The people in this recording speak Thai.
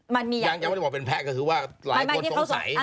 มันยังไม่ได้บอกเป็นแพทย์ก็คือว่าหลายคนสงสัย